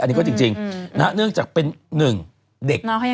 อันนี้ก็จริงเนื่องจากเป็นหนึ่งเด็ก